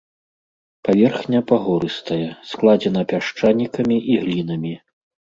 Паверхня пагорыстая, складзена пясчанікамі і глінамі.